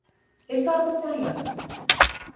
Hesabı sen yap.